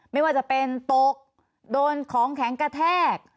ไม่ว่าจะเป็นตกโดนของแข็งกระแทก